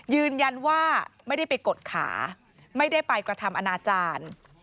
ยืนยันว่าไม่ได้ไปกดขาไม่ได้ไปกระทำอนาจารย์